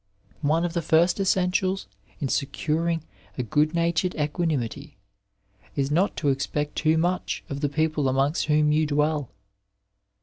One of the first essentials in securing a good natured equanimity is not to expect too much of the people amongst whom you dwell.